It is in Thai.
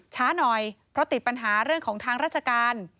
ช้าหน่อยเพราะติดปัญหาเรื่องของทางราชการ